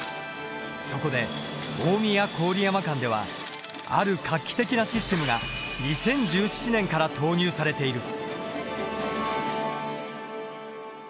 そこで大宮郡山間ではある画期的なシステムが２０１７年から投入されている。